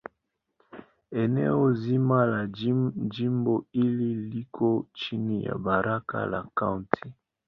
Eneo zima la jimbo hili liko chini ya Baraza la Kaunti.